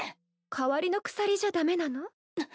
代わりの鎖じゃ駄目なの？